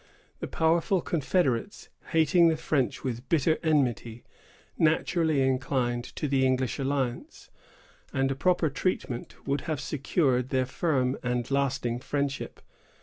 The powerful confederates, hating the French with bitter enmity, naturally inclined to the English alliance; and a proper treatment would have secured their firm and lasting friendship.